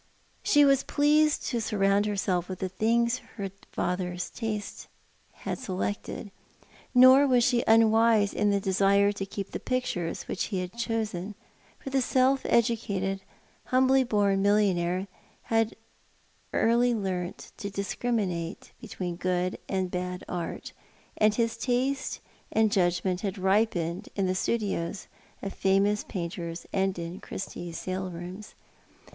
She was pleased to surround herself with the things her father's taste had selected. Nor was she unwise in the desire to keep the pictures which he had chosen, for the self educated, humbly born millionnaire had early learnt to discriminate between good and bad art, and his taste and judgment had rij^ened in the studios of famous painters, and in Christie's sale rooms.